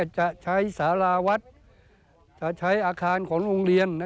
จะใช้สาราวัดจะใช้อาคารของโรงเรียน